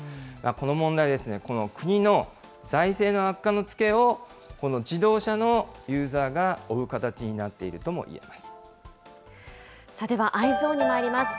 この問題ですね、この国の財政の悪化の付けをこの自動車のユーザーが負う形になっではＥｙｅｓｏｎにまいります。